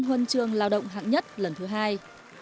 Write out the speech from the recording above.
huân trường lao động hạng nhất lần thứ hai